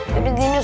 jadi gini sob